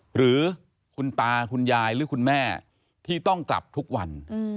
หรือคุณตาคุณยายหรือคุณแม่ที่ต้องกลับทุกวัน